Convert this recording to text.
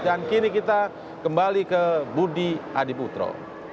dan kini kita kembali ke budi adiputro